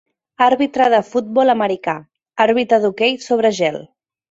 Àrbitre de futbol americà, àrbitre d'hoquei sobre gel.